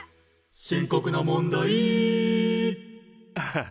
「深刻な問題」ああ